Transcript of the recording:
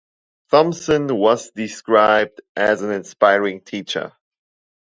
Thompson was described as an inspiring teacher.